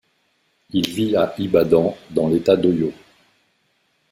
Il vit à Ibadan, dans l'État d'Oyo.